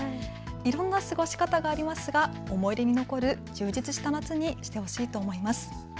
いろんな過ごし方がありますが思い出に残る充実した夏にしてほしいと思います。